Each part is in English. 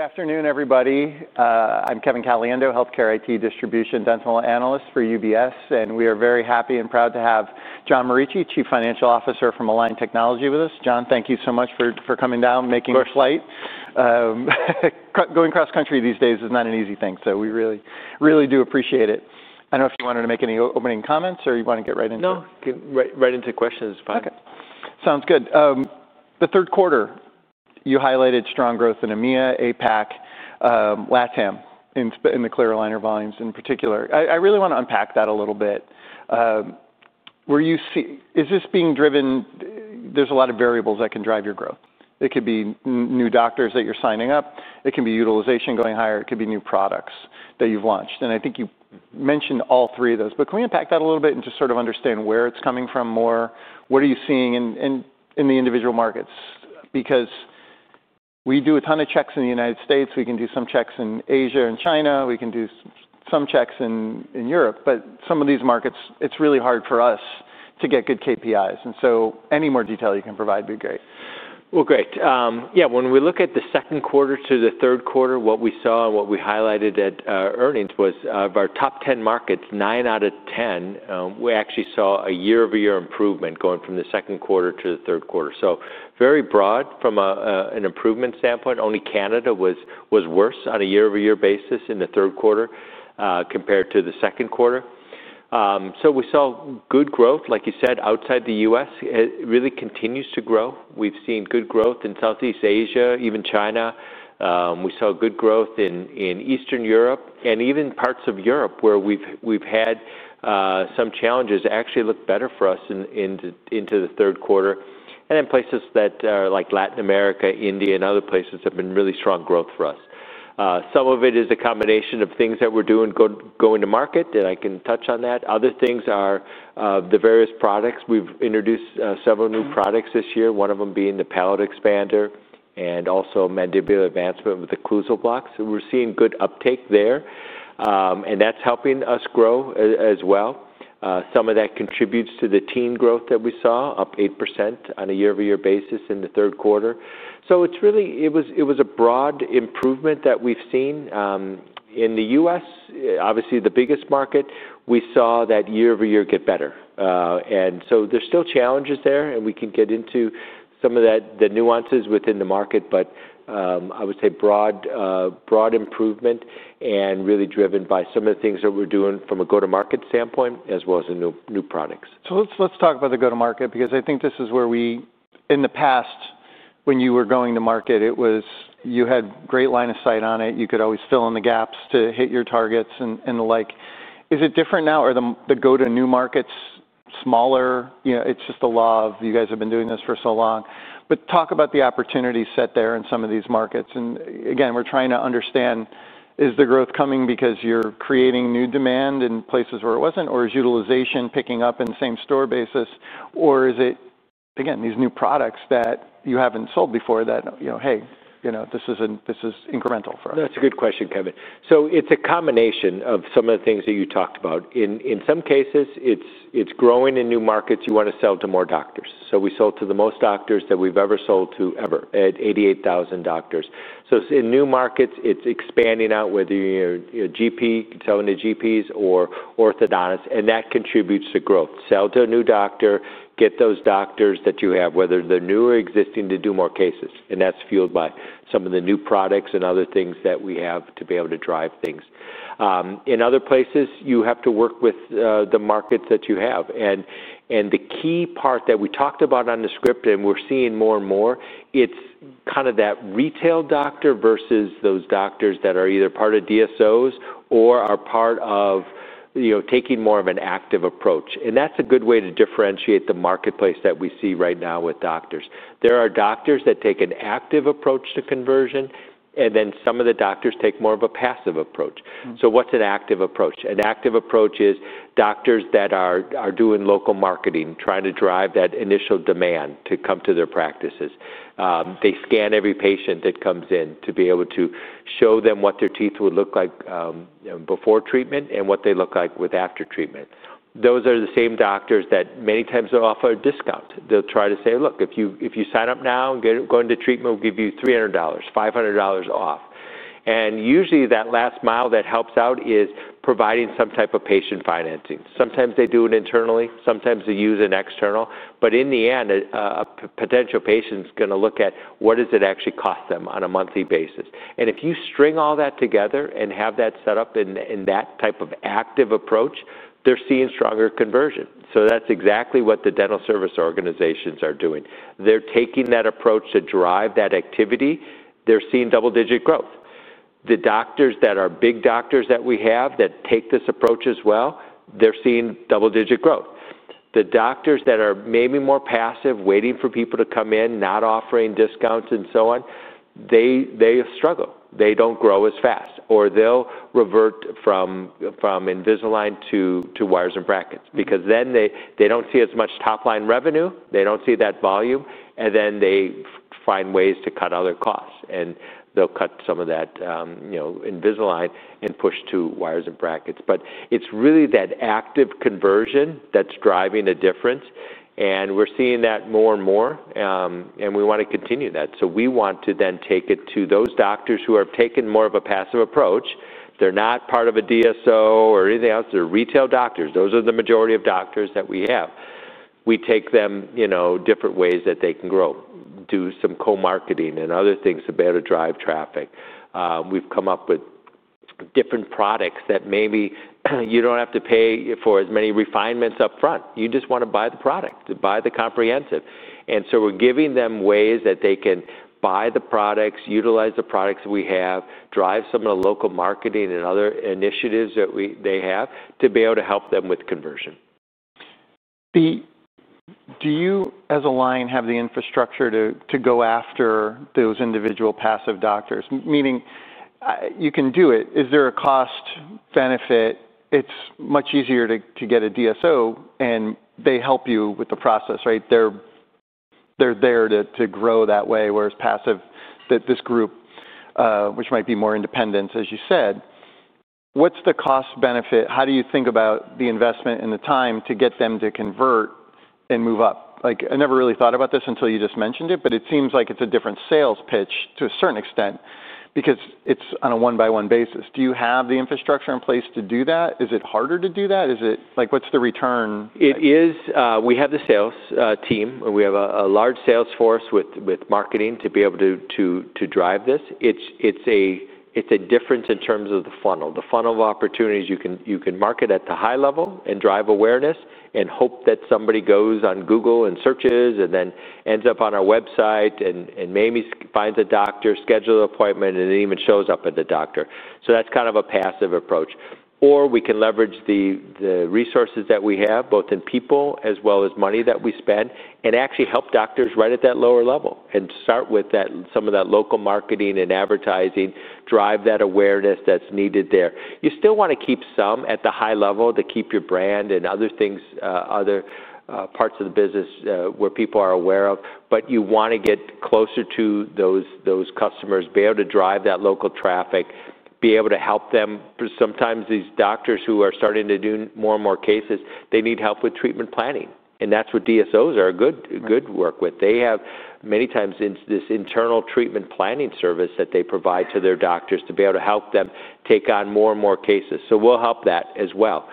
Good afternoon, everybody. I'm Kevin Caliendo, Healthcare IT Distribution Dental Analyst for UBS, and we are very happy and proud to have John Morici, Chief Financial Officer from Align Technology, with us. John, thank you so much for coming down, making it slight. Of course. Going cross-country these days is not an easy thing, so we really, really do appreciate it. I do not know if you wanted to make any opening comments or you want to get right into it. No, right into questions is fine. Okay, sounds good. The third quarter, you highlighted strong growth in EMEA, APAC, LATAM, in the clear aligner volumes in particular. I really want to unpack that a little bit. Is this being driven? There's a lot of variables that can drive your growth. It could be new doctors that you're signing up. It can be utilization going higher. It could be new products that you've launched. I think you mentioned all three of those, but can we unpack that a little bit and just sort of understand where it's coming from more? What are you seeing in the individual markets? Because we do a ton of checks in the United States. We can do some checks in Asia and China. We can do some checks in Europe. Some of these markets, it's really hard for us to get good KPIs. Any more detail you can provide would be great. Yeah, when we look at the second quarter to the third quarter, what we saw and what we highlighted at earnings was of our top 10 markets, nine out of 10, we actually saw a year-over-year improvement going from the second quarter to the third quarter. Very broad from an improvement standpoint. Only Canada was worse on a year-over-year basis in the third quarter compared to the second quarter. We saw good growth, like you said, outside the U.S. It really continues to grow. We've seen good growth in Southeast Asia, even China. We saw good growth in Eastern Europe. Even parts of Europe where we've had some challenges actually looked better for us into the third quarter. Places that are like Latin America, India, and other places have been really strong growth for us. Some of it is a combination of things that we're doing going to market, and I can touch on that. Other things are the various products. We've introduced several new products this year, one of them being the palatal expander and also mandibular advancement with the occlusal blocks. We're seeing good uptake there, and that's helping us grow as well. Some of that contributes to the teen growth that we saw, up 8% on a year-over-year basis in the third quarter. It was a broad improvement that we've seen. In the U.S., obviously the biggest market, we saw that year-over-year get better. There are still challenges there, and we can get into some of the nuances within the market, but I would say broad improvement and really driven by some of the things that we're doing from a go-to-market standpoint as well as the new products. Let's talk about the go-to-market because I think this is where we, in the past, when you were going to market, you had great line of sight on it. You could always fill in the gaps to hit your targets and the like. Is it different now? Are the go-to-markets smaller? It's just the law of you guys have been doing this for so long. Talk about the opportunity set there in some of these markets. Again, we're trying to understand, is the growth coming because you're creating new demand in places where it was not, or is utilization picking up in the same store basis, or is it, again, these new products that you have not sold before that, hey, this is incremental for us? That's a good question, Kevin. It is a combination of some of the things that you talked about. In some cases, it is growing in new markets. You want to sell to more doctors. We sold to the most doctors that we have ever sold to ever at 88,000 doctors. In new markets, it is expanding out whether you are selling to GPs or orthodontists, and that contributes to growth. Sell to a new doctor, get those doctors that you have, whether they are new or existing, to do more cases. That is fueled by some of the new products and other things that we have to be able to drive things. In other places, you have to work with the markets that you have. The key part that we talked about on the script, and we're seeing more and more, is kind of that retail doctor versus those doctors that are either part of DSO or are part of taking more of an active approach. That is a good way to differentiate the marketplace that we see right now with doctors. There are doctors that take an active approach to conversion, and then some of the doctors take more of a passive approach. What's an active approach? An active approach is doctors that are doing local marketing, trying to drive that initial demand to come to their practices. They scan every patient that comes in to be able to show them what their teeth would look like before treatment and what they look like with after treatment. Those are the same doctors that many times are offered a discount. They'll try to say, "Look, if you sign up now and go into treatment, we'll give you $300, $500 off." Usually that last mile that helps out is providing some type of patient financing. Sometimes they do it internally. Sometimes they use an external. In the end, a potential patient's going to look at what does it actually cost them on a monthly basis. If you string all that together and have that set up in that type of active approach, they're seeing stronger conversion. That's exactly what the dental service organizations are doing. They're taking that approach to drive that activity. They're seeing double-digit growth. The doctors that are big doctors that we have that take this approach as well, they're seeing double-digit growth. The doctors that are maybe more passive, waiting for people to come in, not offering discounts and so on, they struggle. They don't grow as fast, or they'll revert from Invisalign to wires and brackets because then they don't see as much top-line revenue. They don't see that volume, and they find ways to cut other costs. They'll cut some of that Invisalign and push to wires and brackets. It's really that active conversion that's driving a difference. We're seeing that more and more, and we want to continue that. We want to then take it to those doctors who have taken more of a passive approach. They're not part of a DSO or anything else. They're retail doctors. Those are the majority of doctors that we have. We take them different ways that they can grow, do some co-marketing and other things to better drive traffic. We've come up with different products that maybe you don't have to pay for as many refinements upfront. You just want to buy the product, buy the comprehensive. We're giving them ways that they can buy the products, utilize the products we have, drive some of the local marketing and other initiatives that they have to be able to help them with conversion. Do you, as Align, have the infrastructure to go after those individual passive doctors? Meaning you can do it. Is there a cost benefit? It's much easier to get a DSO, and they help you with the process, right? They're there to grow that way, whereas passive, this group, which might be more independent, as you said. What's the cost benefit? How do you think about the investment and the time to get them to convert and move up? I never really thought about this until you just mentioned it, but it seems like it's a different sales pitch to a certain extent because it's on a one-by-one basis. Do you have the infrastructure in place to do that? Is it harder to do that? What's the return? It is. We have the sales team. We have a large sales force with marketing to be able to drive this. It's a difference in terms of the funnel. The funnel of opportunities, you can market at the high level and drive awareness and hope that somebody goes on Google and searches and then ends up on our website and maybe finds a doctor, schedules an appointment, and then even shows up at the doctor. That's kind of a passive approach. Or we can leverage the resources that we have, both in people as well as money that we spend, and actually help doctors right at that lower level and start with some of that local marketing and advertising, drive that awareness that's needed there. You still want to keep some at the high level to keep your brand and other things, other parts of the business where people are aware of, but you want to get closer to those customers, be able to drive that local traffic, be able to help them. Sometimes these doctors who are starting to do more and more cases, they need help with treatment planning. That is what DSOs are good to work with. They have many times this internal treatment planning service that they provide to their doctors to be able to help them take on more and more cases. We will help that as well.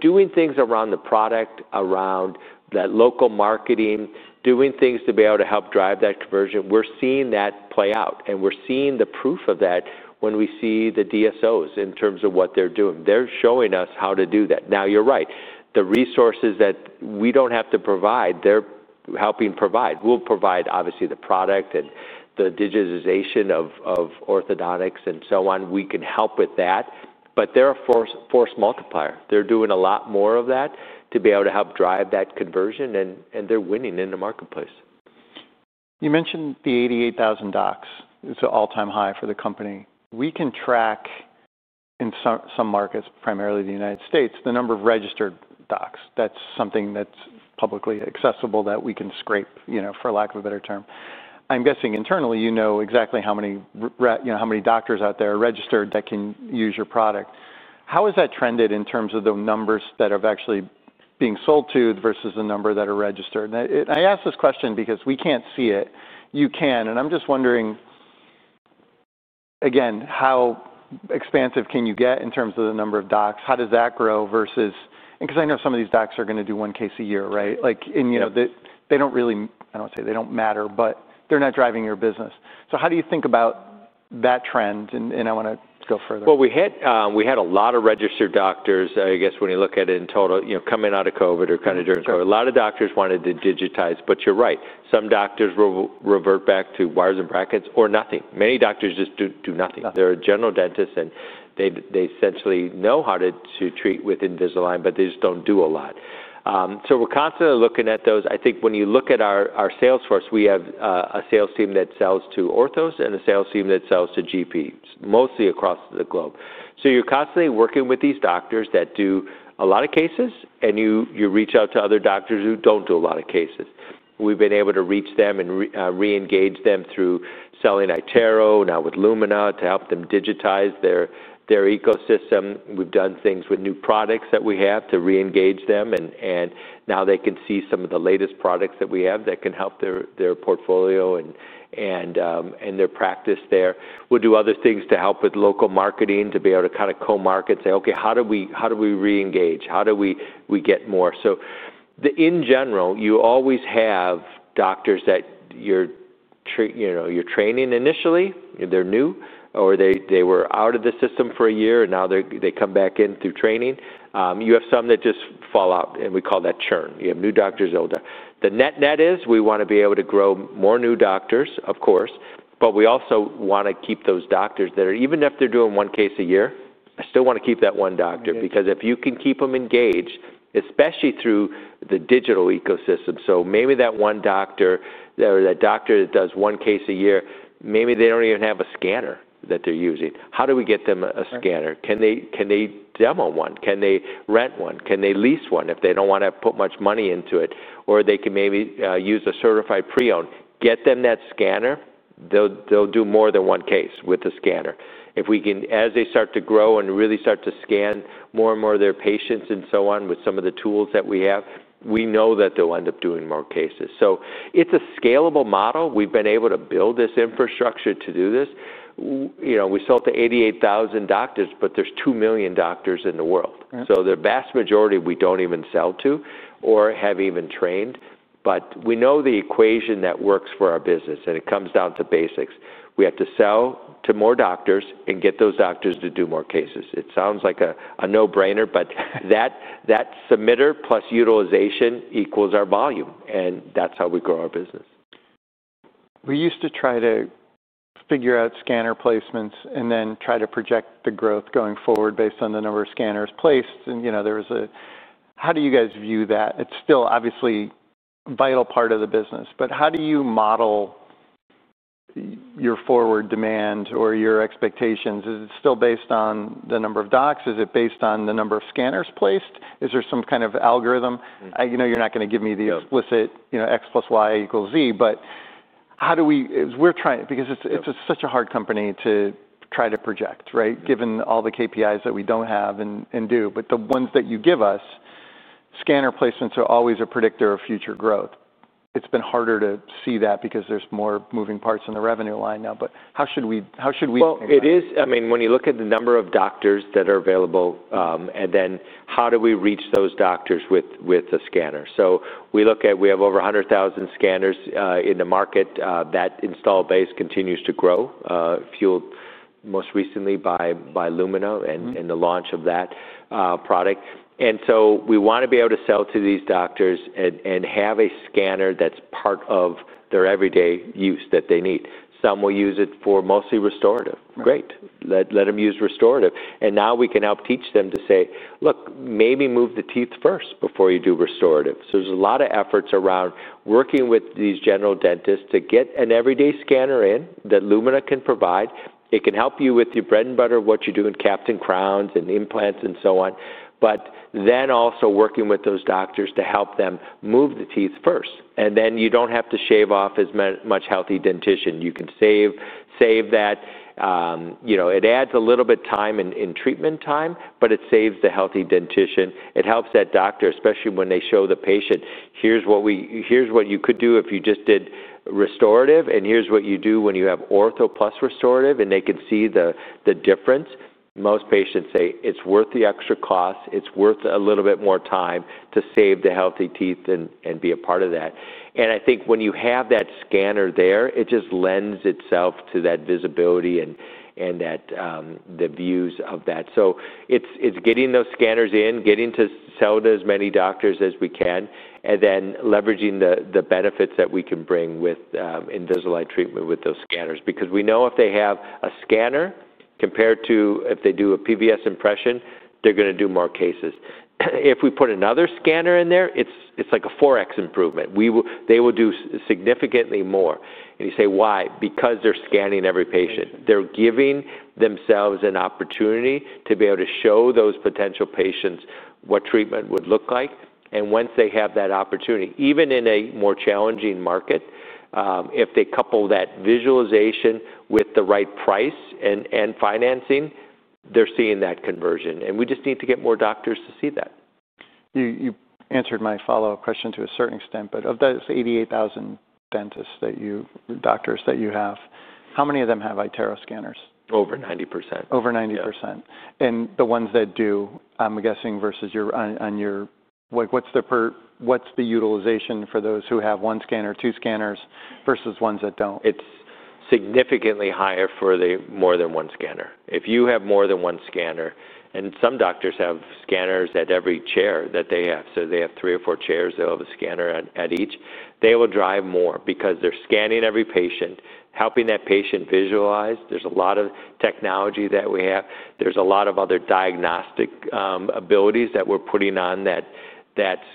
Doing things around the product, around that local marketing, doing things to be able to help drive that conversion, we are seeing that play out. We're seeing the proof of that when we see the DSOs in terms of what they're doing. They're showing us how to do that. You're right. The resources that we don't have to provide, they're helping provide. We'll provide, obviously, the product and the digitization of orthodontics and so on. We can help with that. They're a force multiplier. They're doing a lot more of that to be able to help drive that conversion, and they're winning in the marketplace. You mentioned the 88,000 docs. It's an all-time high for the company. We can track in some markets, primarily the United States, the number of registered docs. That's something that's publicly accessible that we can scrape, for lack of a better term. I'm guessing internally, you know exactly how many doctors out there are registered that can use your product. How has that trended in terms of the numbers that are actually being sold to versus the number that are registered? I ask this question because we can't see it. You can. I'm just wondering, again, how expansive can you get in terms of the number of docs? How does that grow versus because I know some of these docs are going to do one case a year, right? They don't really, I don't want to say they don't matter, but they're not driving your business. How do you think about that trend? I want to go further. We had a lot of registered doctors, I guess when you look at it in total, coming out of COVID or kind of during COVID, a lot of doctors wanted to digitize. You're right. Some doctors will revert back to wires and brackets or nothing. Many doctors just do nothing. They're general dentists, and they essentially know how to treat with Invisalign, but they just do not do a lot. We're constantly looking at those. I think when you look at our sales force, we have a sales team that sells to orthos and a sales team that sells to GPs, mostly across the globe. You're constantly working with these doctors that do a lot of cases, and you reach out to other doctors who do not do a lot of cases. We've been able to reach them and re-engage them through selling iTero, now with Lumina, to help them digitize their ecosystem. We've done things with new products that we have to re-engage them, and now they can see some of the latest products that we have that can help their portfolio and their practice there. We'll do other things to help with local marketing to be able to kind of co-market and say, "Okay, how do we re-engage? How do we get more?" In general, you always have doctors that you're training initially. They're new, or they were out of the system for a year, and now they come back in through training. You have some that just fall out, and we call that churn. You have new doctors that will die. The net is we want to be able to grow more new doctors, of course, but we also want to keep those doctors that are, even if they're doing one case a year, I still want to keep that one doctor because if you can keep them engaged, especially through the digital ecosystem. Maybe that one doctor or that doctor that does one case a year, maybe they don't even have a scanner that they're using. How do we get them a scanner? Can they demo one? Can they rent one? Can they lease one if they don't want to put much money into it? Or they can maybe use a certified pre-owned. Get them that scanner. They'll do more than one case with the scanner. If we can, as they start to grow and really start to scan more and more of their patients and so on with some of the tools that we have, we know that they'll end up doing more cases. It is a scalable model. We've been able to build this infrastructure to do this. We sold to 88,000 doctors, but there are two million doctors in the world. The vast majority we do not even sell to or have even trained. We know the equation that works for our business, and it comes down to basics. We have to sell to more doctors and get those doctors to do more cases. It sounds like a no-brainer, but that submitter plus utilization equals our volume, and that is how we grow our business. We used to try to figure out scanner placements and then try to project the growth going forward based on the number of scanners placed. How do you guys view that? It's still obviously a vital part of the business, but how do you model your forward demand or your expectations? Is it still based on the number of docs? Is it based on the number of scanners placed? Is there some kind of algorithm? You're not going to give me the explicit X plus Y equals Z, but how do we, because it's such a hard company to try to project, right, given all the KPIs that we don't have and do. The ones that you give us, scanner placements are always a predictor of future growth. It's been harder to see that because there's more moving parts in the revenue line now. How should we? I mean, when you look at the number of doctors that are available, and then how do we reach those doctors with a scanner? We look at we have over 100,000 scanners in the market. That install base continues to grow, fueled most recently by Lumina and the launch of that product. We want to be able to sell to these doctors and have a scanner that is part of their everyday use that they need. Some will use it for mostly restorative. Great. Let them use restorative. Now we can help teach them to say, "Look, maybe move the teeth first before you do restorative." There is a lot of effort around working with these general dentists to get an everyday scanner in that Lumina can provide. It can help you with your bread and butter, what you do in crowns and implants and so on, but then also working with those doctors to help them move the teeth first. You do not have to shave off as much healthy dentition. You can save that. It adds a little bit of time in treatment time, but it saves the healthy dentition. It helps that doctor, especially when they show the patient, "Here's what you could do if you just did restorative, and here's what you do when you have ortho plus restorative," and they can see the difference. Most patients say, "It's worth the extra cost. It's worth a little bit more time to save the healthy teeth and be a part of that." I think when you have that scanner there, it just lends itself to that visibility and the views of that. So it's getting those scanners in, getting to sell to as many doctors as we can, and then leveraging the benefits that we can bring with Invisalign treatment with those scanners because we know if they have a scanner compared to if they do a PVS impression, they're going to do more cases. If we put another scanner in there, it's like a 4x improvement. They will do significantly more. And you say, "Why?" Because they're scanning every patient. They're giving themselves an opportunity to be able to show those potential patients what treatment would look like. And once they have that opportunity, even in a more challenging market, if they couple that visualization with the right price and financing, they're seeing that conversion. And we just need to get more doctors to see that. You answered my follow-up question to a certain extent, but of those 88,000 dentists that you have, how many of them have iTero scanners? Over 90%. Over 90%. And the ones that do, I'm guessing versus yours, what's the utilization for those who have one scanner, two scanners versus ones that don't? It's significantly higher for the more than one scanner. If you have more than one scanner, and some doctors have scanners at every chair that they have, so they have three or four chairs, they'll have a scanner at each, they will drive more because they're scanning every patient, helping that patient visualize. There's a lot of technology that we have. There's a lot of other diagnostic abilities that we're putting on that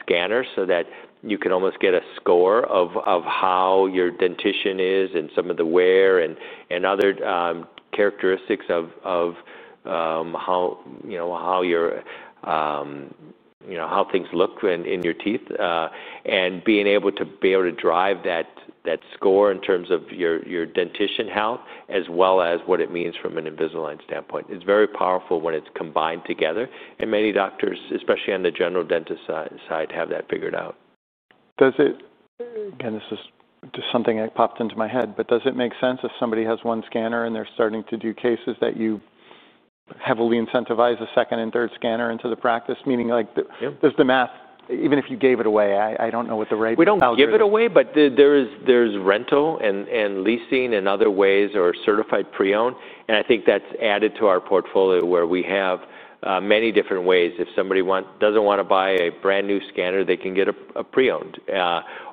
scanner so that you can almost get a score of how your dentition is and some of the wear and other characteristics of how things look in your teeth and being able to be able to drive that score in terms of your dentition health as well as what it means from an Invisalign standpoint. It's very powerful when it's combined together, and many doctors, especially on the general dentist side, have that figured out. Again, this is just something that popped into my head, but does it make sense if somebody has one scanner and they're starting to do cases that you heavily incentivize a second and third scanner into the practice? Meaning does the math, even if you gave it away, I don't know what the rate. We don't give it away, but there's rental and leasing and other ways or certified pre-owned, and I think that's added to our portfolio where we have many different ways. If somebody doesn't want to buy a brand new scanner, they can get a pre-owned.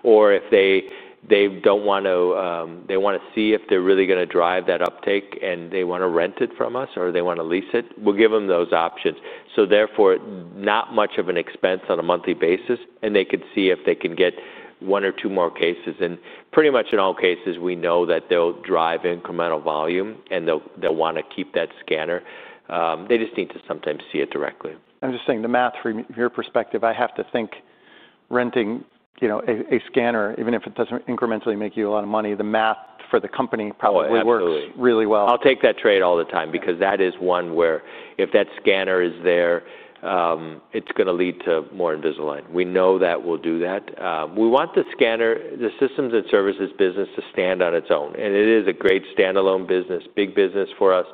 Or if they don't want to, they want to see if they're really going to drive that uptake and they want to rent it from us or they want to lease it, we'll give them those options. So therefore, not much of an expense on a monthly basis, and they could see if they can get one or two more cases. And pretty much in all cases, we know that they'll drive incremental volume and they'll want to keep that scanner. They just need to sometimes see it directly. I'm just saying the math from your perspective, I have to think renting a scanner, even if it doesn't incrementally make you a lot of money, the math for the company probably works really well. I'll take that trade all the time because that is one where if that scanner is there, it's going to lead to more Invisalign. We know that we'll do that. We want the scanner, the systems and services business to stand on its own. And it is a great standalone business, big business for us,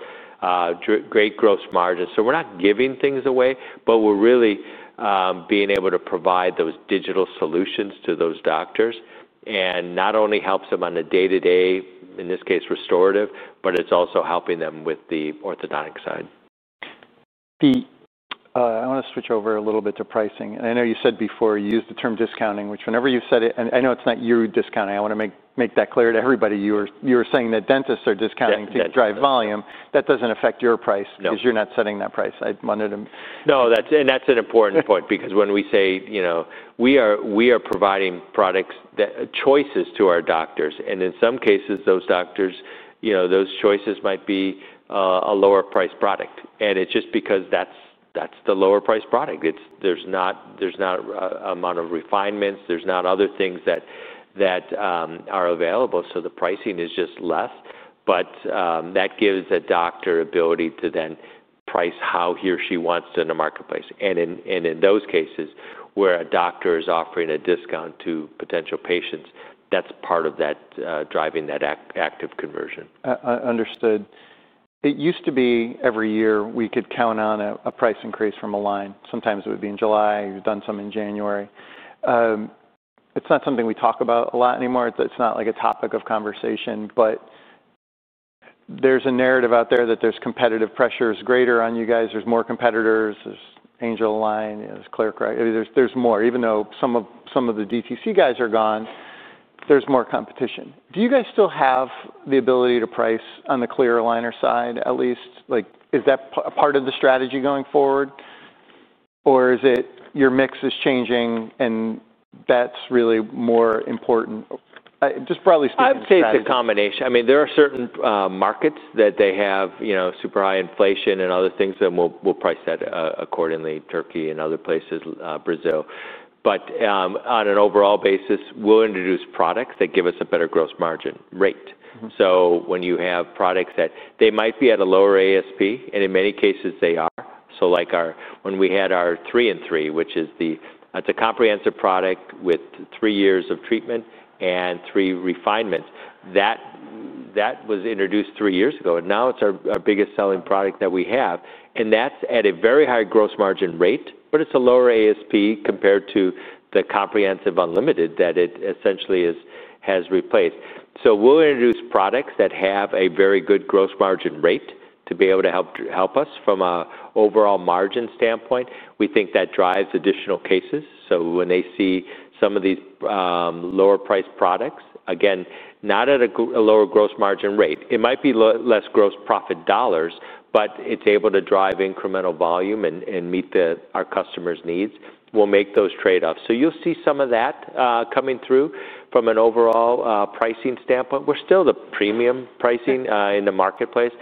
great gross margin. So we're not giving things away, but we're really being able to provide those digital solutions to those doctors and not only helps them on the day-to-day, in this case, restorative, but it's also helping them with the orthodontic side. I want to switch over a little bit to pricing. And I know you said before you used the term discounting, which whenever you've said it, and I know it's not you discounting. I want to make that clear to everybody. You were saying that dentists are discounting to drive volume. That doesn't affect your price because you're not setting that price. I wanted to. No, and that's an important point because when we say we are providing product choices to our doctors, and in some cases, those doctors, those choices might be a lower-priced product. And it's just because that's the lower-priced product. There's not an amount of refinements. There's no other things that are available, so the pricing is just less, but that gives a doctor the ability to then price how he or she wants to in the marketplace. And in those cases where a doctor is offering a discount to potential patients, that's part of that driving that active conversion. Understood. It used to be every year we could count on a price increase from Align. Sometimes it would be in July. You've done some in January. It's not something we talk about a lot anymore. It's not like a topic of conversation, but there's a narrative out there that there's competitive pressures greater on you guys. There's more competitors. There's Angel Aligner. There's ClearCorrect. There's more. Even though some of the DTC guys are gone, there's more competition. Do you guys still have the ability to price on the Clear Aligner side, at least? Is that a part of the strategy going forward, or is it your mix is changing and that's really more important? Just broadly speaking. I would say it's a combination. I mean, there are certain markets that they have super high inflation and other things that we'll price that accordingly: Turkey and other places, Brazil. But on an overall basis, we'll introduce products that give us a better gross margin rate. So when you have products that they might be at a lower ASP, and in many cases, they are. So when we had our three-in-three, which is a comprehensive product with three years of treatment and three refinements, that was introduced three years ago, and now it's our biggest selling product that we have. And that's at a very high gross margin rate, but it's a lower ASP compared to the comprehensive unlimited that it essentially has replaced. So we'll introduce products that have a very good gross margin rate to be able to help us from an overall margin standpoint. We think that drives additional cases. When they see some of these lower-priced products, again, not at a lower gross margin rate, it might be less gross profit dollars, but it is able to drive incremental volume and meet our customers' needs. We will make those trade-offs. You will see some of that coming through from an overall pricing standpoint. We are still the premium pricing in the marketplace.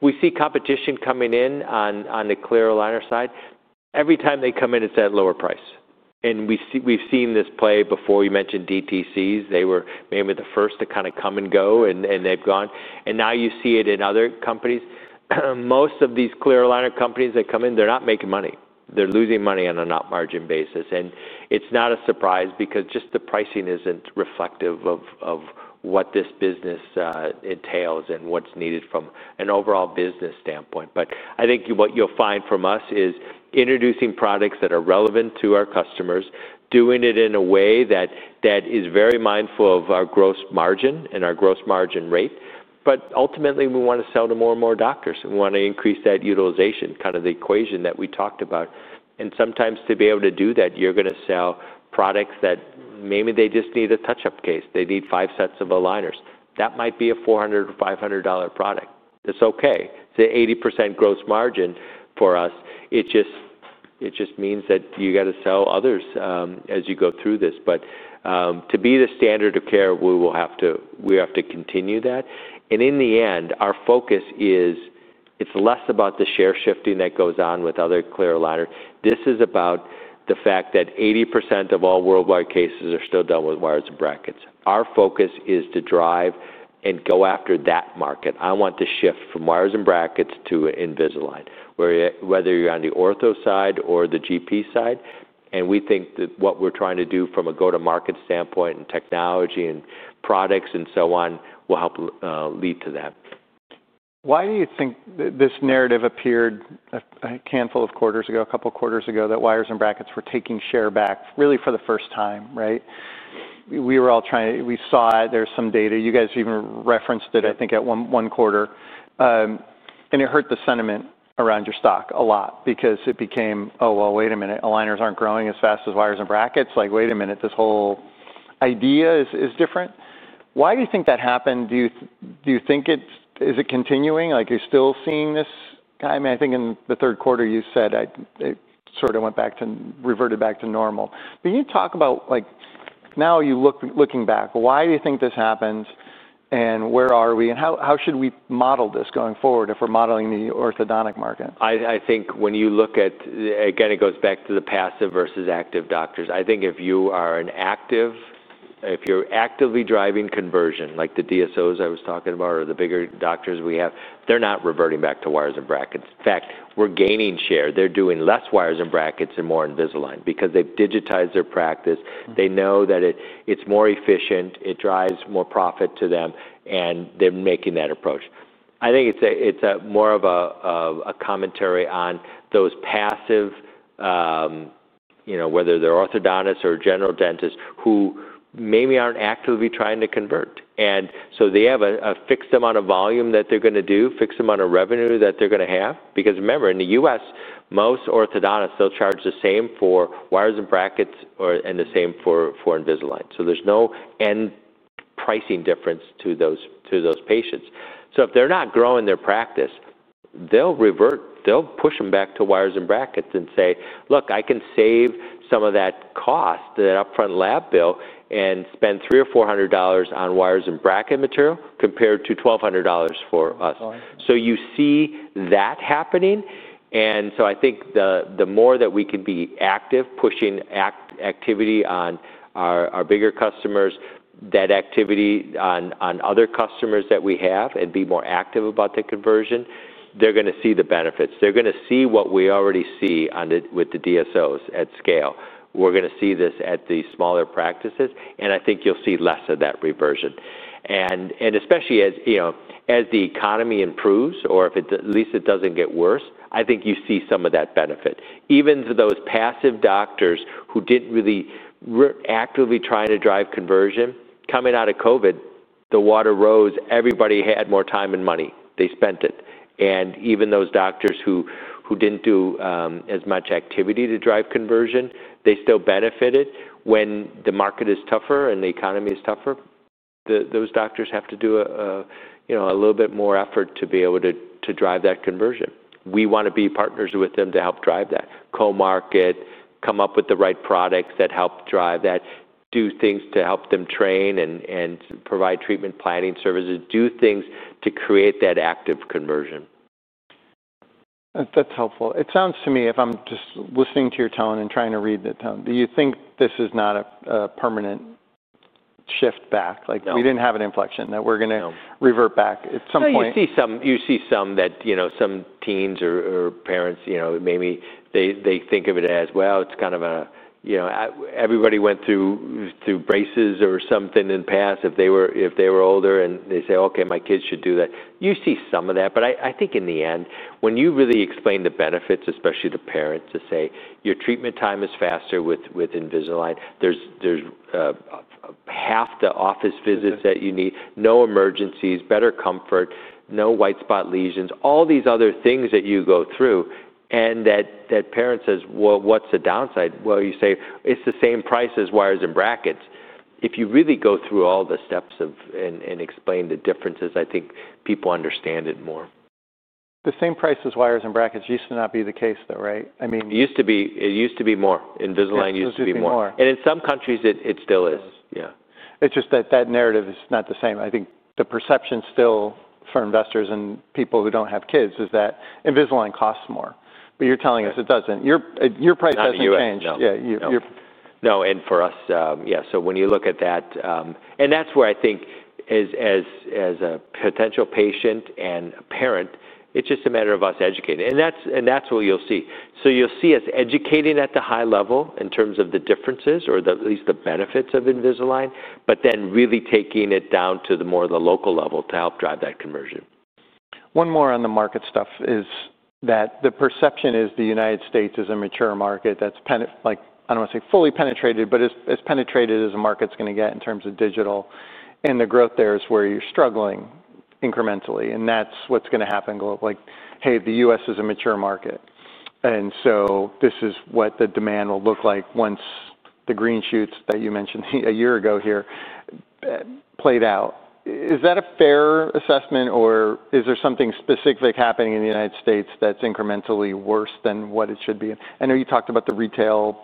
We see competition coming in on the Clear Aligner side. Every time they come in, it is at lower price. We have seen this play before. You mentioned DTCs. They were maybe the first to kind of come and go, and they have gone. Now you see it in other companies. Most of these Clear Aligner companies that come in, they are not making money. They are losing money on a not-margin basis. And it's not a surprise because just the pricing isn't reflective of what this business entails and what's needed from an overall business standpoint. But I think what you'll find from us is introducing products that are relevant to our customers, doing it in a way that is very mindful of our gross margin and our gross margin rate. But ultimately, we want to sell to more and more doctors. We want to increase that utilization, kind of the equation that we talked about. And sometimes to be able to do that, you're going to sell products that maybe they just need a touch-up case. They need five sets of aligners. That might be a $400 or $500 product. It's okay. It's an 80% gross margin for us. It just means that you got to sell others as you go through this. But to be the standard of care, we have to continue that. And in the end, our focus is it's less about the share shifting that goes on with other Clear Aligners. This is about the fact that 80% of all worldwide cases are still dealt with wires and brackets. Our focus is to drive and go after that market. I want to shift from wires and brackets to Invisalign, whether you're on the ortho side or the GP side. And we think that what we're trying to do from a go-to-market standpoint and technology and products and so on will help lead to that. Why do you think this narrative appeared a handful of quarters ago, a couple of quarters ago, that wires and brackets were taking share back really for the first time, right? We were all trying to we saw it. There's some data. You guys even referenced it, I think, at one quarter. And it hurt the sentiment around your stock a lot because it became, "Oh, well, wait a minute. Aligners aren't growing as fast as wires and brackets. Wait a minute. This whole idea is different." Why do you think that happened? Do you think it's is it continuing? Are you still seeing this? I mean, I think in the third quarter, you said it sort of went back to reverted back to normal. But you talk about now you're looking back. Why do you think this happened? And where are we? And how should we model this going forward if we're modeling the orthodontic market? I think when you look at again, it goes back to the passive versus active doctors. I think if you are an active, if you're actively driving conversion, like the DSOs I was talking about or the bigger doctors we have, they're not reverting back to wires and brackets. In fact, we're gaining share. They're doing less wires and brackets and more Invisalign because they've digitized their practice. They know that it's more efficient. It drives more profit to them, and they're making that approach. I think it's more of a commentary on those passive, whether they're orthodontists or general dentists who maybe aren't actively trying to convert. And so they have a fixed amount of volume that they're going to do, fixed amount of revenue that they're going to have. Because remember, in the U.S., most orthodontists, they'll charge the same for wires and brackets and the same for Invisalign. So there's no end pricing difference to those patients. So if they're not growing their practice, they'll revert. They'll push them back to wires and brackets and say, "Look, I can save some of that cost, that upfront lab bill, and spend $300-$400 on wires and bracket material compared to $1,200 for us." So you see that happening. And so I think the more that we can be active, pushing activity on our bigger customers, that activity on other customers that we have and be more active about the conversion, they're going to see the benefits. They're going to see what we already see with the DSOs at scale. We're going to see this at the smaller practices, and I think you'll see less of that reversion. And especially as the economy improves or at least it doesn't get worse, I think you see some of that benefit. Even those passive doctors who didn't really actively try to drive conversion, coming out of COVID, the water rose. Everybody had more time and money. They spent it. And even those doctors who didn't do as much activity to drive conversion, they still benefited. When the market is tougher and the economy is tougher, those doctors have to do a little bit more effort to be able to drive that conversion. We want to be partners with them to help drive that. Co-market, come up with the right products that help drive that, do things to help them train and provide treatment planning services, do things to create that active conversion. That's helpful. It sounds to me, if I'm just listening to your tone and trying to read the tone, do you think this is not a permanent shift back? We didn't have an inflection that we're going to revert back at some point. You see some that some teens or parents, maybe they think of it as, "Well, it's kind of a everybody went through braces or something in the past if they were older," and they say, "Okay, my kids should do that." You see some of that. But I think in the end, when you really explain the benefits, especially to parents, to say your treatment time is faster with Invisalign, there's half the office visits that you need, no emergencies, better comfort, no white spot lesions, all these other things that you go through. And that parent says, "Well, what's the downside?" Well, you say, "It's the same price as wires and brackets." If you really go through all the steps and explain the differences, I think people understand it more. The same price as wires and brackets used to not be the case, though, right? I mean. It used to be. It used to be more. Invisalign used to be more. And in some countries, it still is. Yeah. It's just that that narrative is not the same. I think the perception still for investors and people who don't have kids is that Invisalign costs more. But you're telling us it doesn't. Your price hasn't changed. No, and for us, yeah. So when you look at that, and that's where I think as a potential patient and a parent, it's just a matter of us educating. And that's what you'll see. So you'll see us educating at the high level in terms of the differences or at least the benefits of Invisalign, but then really taking it down to more of the local level to help drive that conversion. One more on the market stuff is that the perception is the U.S. is a mature market that's, I don't want to say fully penetrated, but as penetrated as a market's going to get in terms of digital. The growth there is where you're struggling incrementally. That's what's going to happen globally. Hey, the U.S. is a mature market. This is what the demand will look like once the green shoots that you mentioned a year ago here played out. Is that a fair assessment, or is there something specific happening in the U.S. that's incrementally worse than what it should be? I know you talked about the retail.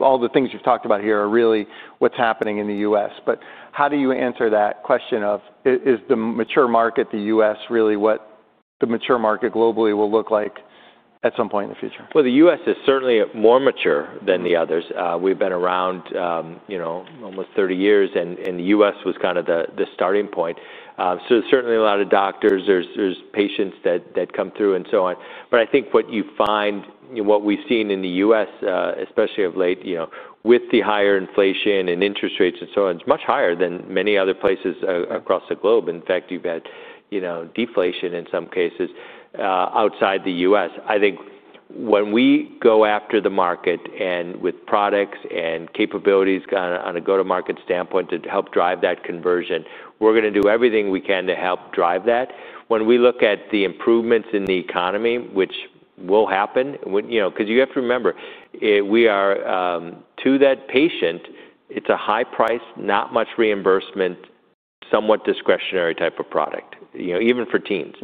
All the things you've talked about here are really what's happening in the U.S. But how do you answer that question of, is the mature market, the U.S., really what the mature market globally will look like at some point in the future? The U.S. is certainly more mature than the others. We've been around almost 30 years, and the U.S. was kind of the starting point. Certainly a lot of doctors, there's patients that come through and so on. I think what you find, what we've seen in the U.S., especially of late, with the higher inflation and interest rates and so on, is much higher than many other places across the globe. In fact, you've had deflation in some cases outside the U.S. I think when we go after the market and with products and capabilities on a go-to-market standpoint to help drive that conversion, we're going to do everything we can to help drive that. When we look at the improvements in the economy, which will happen, because you have to remember, to that patient, it's a high price, not much reimbursement, somewhat discretionary type of product, even for teens.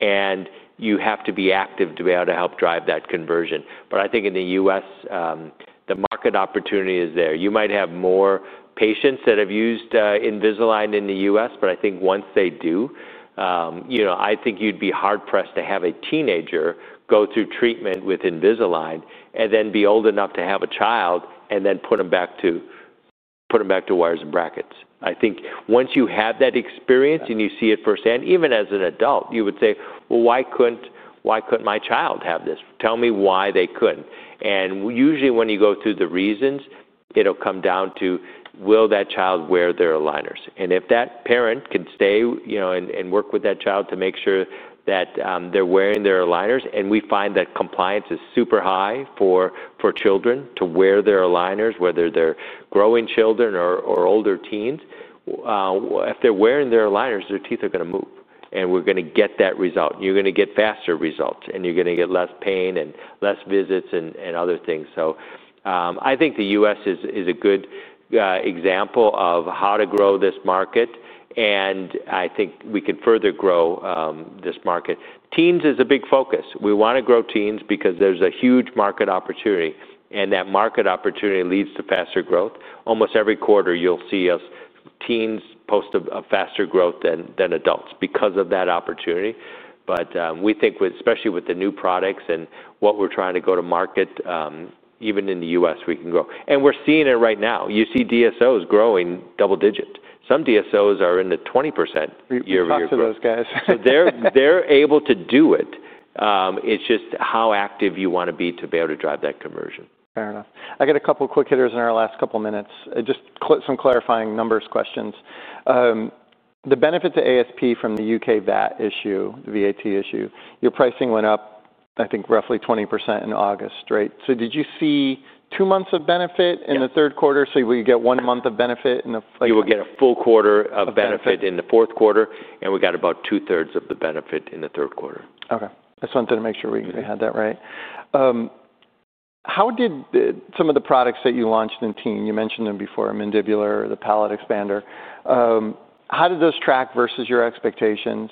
And you have to be active to be able to help drive that conversion. But I think in the U.S., the market opportunity is there. You might have more patients that have used Invisalign in the U.S., but I think once they do, I think you'd be hard-pressed to have a teenager go through treatment with Invisalign and then be old enough to have a child and then put them back to wires and brackets. I think once you have that experience and you see it firsthand, even as an adult, you would say, "Well, why couldn't my child have this? Tell me why they couldn't." And usually when you go through the reasons, it'll come down to, will that child wear their aligners? And if that parent can stay and work with that child to make sure that they're wearing their aligners, and we find that compliance is super high for children to wear their aligners, whether they're growing children or older teens, if they're wearing their aligners, their teeth are going to move. And we're going to get that result. You're going to get faster results, and you're going to get less pain and less visits and other things. So I think the U.S. is a good example of how to grow this market, and I think we can further grow this market. Teens is a big focus. We want to grow teens because there's a huge market opportunity. And that market opportunity leads to faster growth. Almost every quarter, you'll see us teens post a faster growth than adults because of that opportunity. But we think, especially with the new products and what we're trying to go to market, even in the U.S., we can grow. And we're seeing it right now. You see DSOs growing double digits. Some DSOs are in the 20% year-over-year. We've talked to those guys. So they're able to do it. It's just how active you want to be to be able to drive that conversion. Fair enough. I got a couple of quick hitters in our last couple of minutes. Just some clarifying numbers questions. The benefit to ASP from the U.K. VAT issue, the VAT issue, your pricing went up, I think, roughly 20% in August, right? So did you see two months of benefit in the third quarter? So we get one month of benefit in the. You will get a full quarter of benefit in the fourth quarter, and we got about two-thirds of the benefit in the third quarter. Okay. I just wanted to make sure we had that right. How did some of the products that you launched in teen, you mentioned them before, Mandibular, the palate expander, how did those track versus your expectations?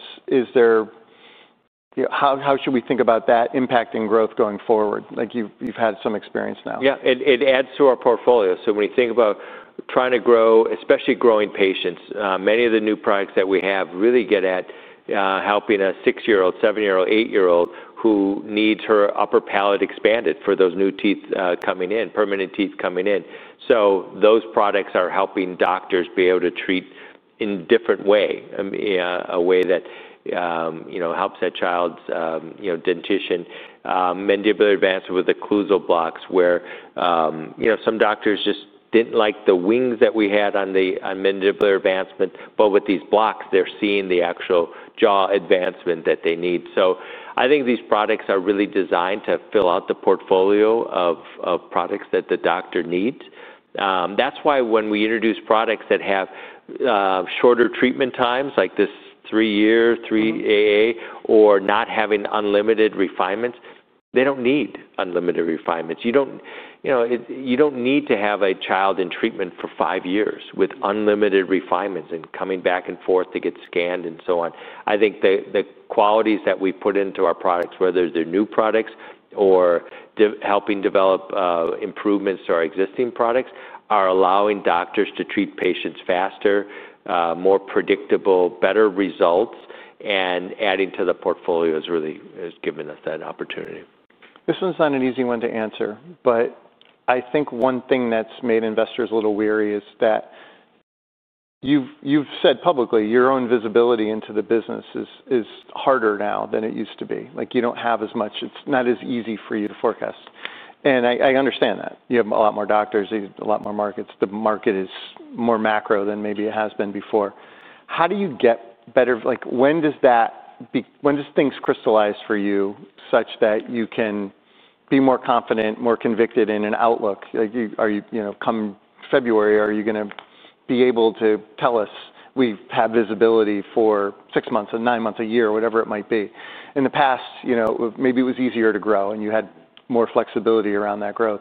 How should we think about that impacting growth going forward? You've had some experience now. Yeah. It adds to our portfolio. So when you think about trying to grow, especially growing patients, many of the new products that we have really get at helping a six-year-old, seven-year-old, eight-year-old who needs her upper palate expanded for those new teeth coming in, permanent teeth coming in. So those products are helping doctors be able to treat in a different way, a way that helps that child's dentition. Mandibular Advancement with occlusal blocks where some doctors just didn't like the wings that we had on Mandibular Advancement, but with these blocks, they're seeing the actual jaw advancement that they need. So I think these products are really designed to fill out the portfolio of products that the doctor needs. That's why when we introduce products that have shorter treatment times, like this three-year, three AA, or not having unlimited refinements, they don't need unlimited refinements. You don't need to have a child in treatment for five years with unlimited refinements and coming back and forth to get scanned and so on. I think the qualities that we put into our products, whether they're new products or helping develop improvements to our existing products, are allowing doctors to treat patients faster, more predictable, better results, and adding to the portfolio has given us that opportunity. This one's not an easy one to answer, but I think one thing that's made investors a little weary is that you've said publicly your own visibility into the business is harder now than it used to be. You don't have as much. It's not as easy for you to forecast. I understand that. You have a lot more doctors, a lot more markets. The market is more macro than maybe it has been before. How do you get better? When does things crystallize for you such that you can be more confident, more convicted in an outlook? Come February, are you going to be able to tell us we've had visibility for six months or nine months, a year, whatever it might be? In the past, maybe it was easier to grow and you had more flexibility around that growth.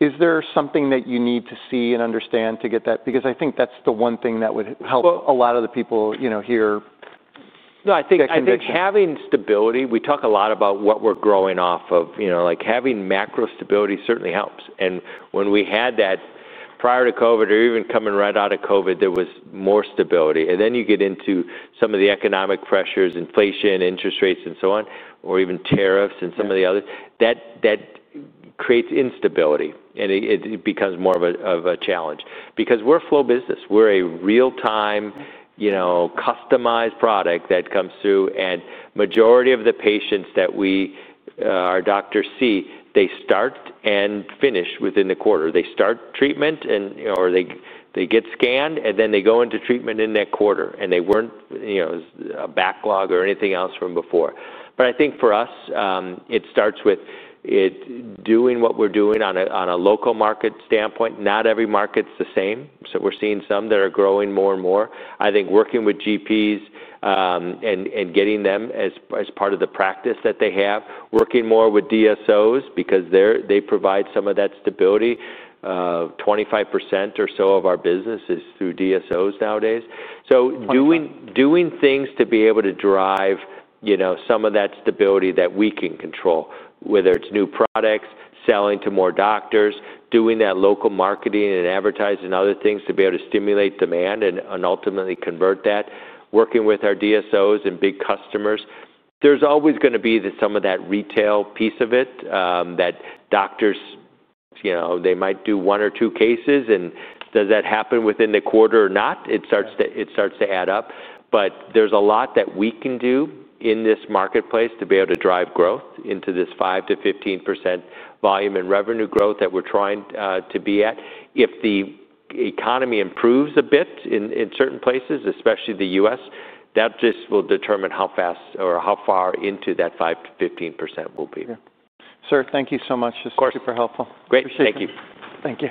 Is there something that you need to see and understand to get that? Because I think that's the one thing that would help a lot of the people here. No, I think having stability, we talk a lot about what we're growing off of. Having macro stability certainly helps. And when we had that prior to COVID or even coming right out of COVID, there was more stability. And then you get into some of the economic pressures, inflation, interest rates, and so on, or even tariffs and some of the others. That creates instability, and it becomes more of a challenge because we're a flow business. We're a real-time customized product that comes through. And the majority of the patients that our doctors see, they start and finish within the quarter. They start treatment or they get scanned, and then they go into treatment in that quarter, and they weren't a backlog or anything else from before. But I think for us, it starts with doing what we're doing on a local market standpoint. Not every market's the same. So we're seeing some that are growing more and more. I think working with GPs and getting them as part of the practice that they have, working more with DSOs because they provide some of that stability. 25% or so of our business is through DSOs nowadays. So doing things to be able to drive some of that stability that we can control, whether it's new products, selling to more doctors, doing that local marketing and advertising and other things to be able to stimulate demand and ultimately convert that, working with our DSOs and big customers. There's always going to be some of that retail piece of it that doctors, they might do one or two cases, and does that happen within the quarter or not? It starts to add up. But there's a lot that we can do in this marketplace to be able to drive growth into this 5 to 15% volume and revenue growth that we're trying to be at. If the economy improves a bit in certain places, especially the U.S., that just will determine how fast or how far into that 5%-5% we'll be. Yeah. Sir, thank you so much. This is super helpful. Of course. Great. Thank you. Thank you.